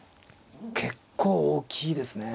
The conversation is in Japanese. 結構大きいですね。